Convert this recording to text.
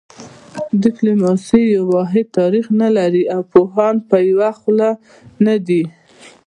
ډیپلوماسي یو واحد تعریف نه لري او پوهان په یوه خوله نه دي